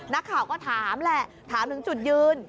นักข่าวก็ถามแหละถามถึงจุดยืน